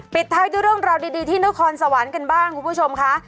ปิดท้ายด้วยเรื่องราวดีที่นครสวรรค์กันบ้างคุณผู้ชมค่ะ